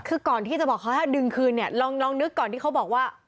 คือก่อนที่จะบอกเขาให้ดึงคืนเนี่ยลองนึกก่อนที่เขาบอกว่า